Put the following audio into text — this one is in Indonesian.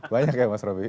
banyak ya mas robby